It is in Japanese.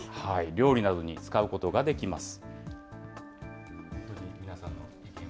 料理などに使うことができます。